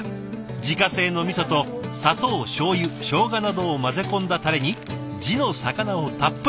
自家製のみそと砂糖しょうゆショウガなどを混ぜ込んだたれに地の魚をたっぷりと。